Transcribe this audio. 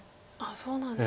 そうなんですか。